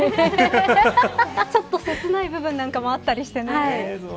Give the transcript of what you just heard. ちょっと切ない部分なんかもあったりしてね。